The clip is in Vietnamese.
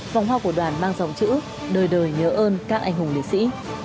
vòng hoa của đoàn mang dòng chữ đời đời nhớ ơn các anh hùng liệt sĩ